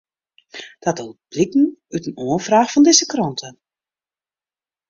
Dat docht bliken út in omfraach fan dizze krante.